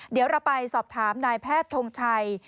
เดี๋ยวเราไปสอบถามนายแพทย์ทงชัย